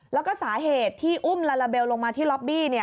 แล้วก็สาเหตุที่อุ้มลาลาเบลลงมาที่ล็อบบี้